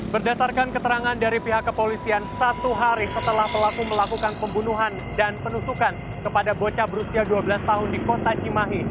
berdasarkan keterangan dari pihak kepolisian satu hari setelah pelaku melakukan pembunuhan dan penusukan kepada bocah berusia dua belas tahun di kota cimahi